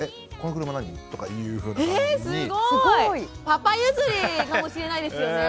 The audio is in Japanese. パパ譲りかもしれないですよね。